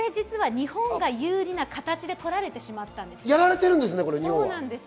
日本が有利な形で取られてしまったんです。